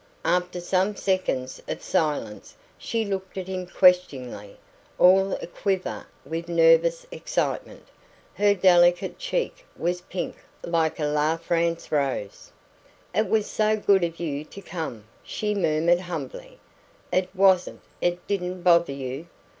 After some seconds of silence, she looked at him questioningly, all a quiver with nervous excitement. Her delicate cheek was pink like a La France rose. "It was so good of you to come," she murmured humbly. "It wasn't it didn't bother you?